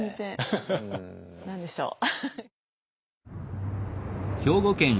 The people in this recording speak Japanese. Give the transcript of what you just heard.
何でしょう？